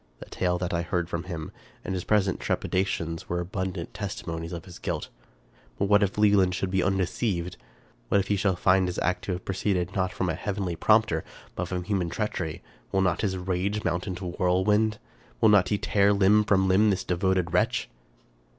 The tale that I heard from him, and his present trepidations, were abundant tes timonies of his guilt. But what if Wieland should be un deceived ! What if he shall find his act to have proceeded not from a heavenly prompter, but from human treachery ! Will not his rage mount into whirlwind? Will not he tear limb from limb this devoted wretch?